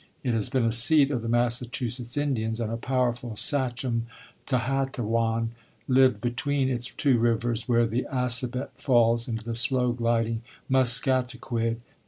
It had been a seat of the Massachusetts Indians, and a powerful Sachem, Tahattawan, lived between its two rivers, where the Assabet falls into the slow gliding Musketaquid.